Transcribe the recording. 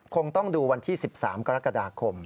คงต้องดูวันที่๑๓กรกฎาคม